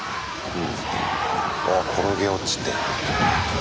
ああ転げ落ちて。